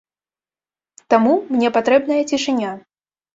Таму мне патрэбная цішыня.